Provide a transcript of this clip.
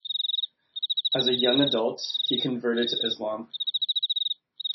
As a young adult, he converted to Islam.